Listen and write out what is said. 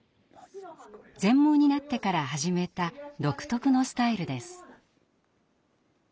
全盲になってから始めた独特のスタイルです。